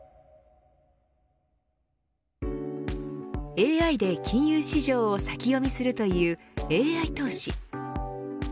ＡＩで金融市場を先読みするというＡＩ投資。